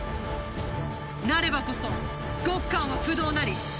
なればこそゴッカンは不動なり！